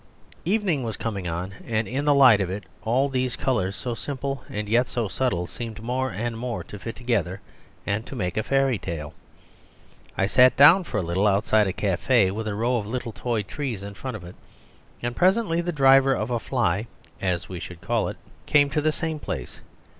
..... Evening was coming on and in the light of it all these colours so simple and yet so subtle seemed more and more to fit together and make a fairy tale. I sat down for a little outside a café with a row of little toy trees in front of it, and presently the driver of a fly (as we should call it) came to the same place.